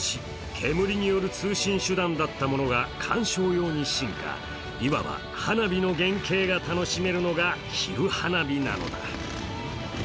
煙による通信手段だったものが観賞用に進化、いわば花火の原型が楽しめるのが昼花火なのだ。